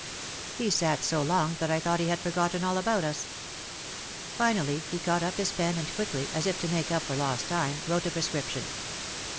He sat so long that I thought he had forgotten all about us. Finally he caught up his pen and quickly, as if to make up for lost time, wrote a prescription.